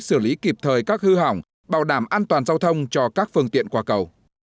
xử lý kịp thời các hư hỏng bảo đảm an toàn giao thông cho các phương tiện qua cầu